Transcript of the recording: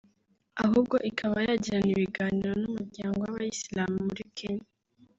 ahubwo ikaba yagirana ibiganiro n’umuryango w’Abayisilamu muri Kenya